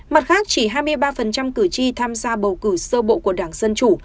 mặt khác chỉ hai mươi ba cử tri tham gia bầu cử sơ bộ của đảng dân chủ